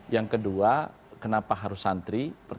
yang kedua kenapa harus santri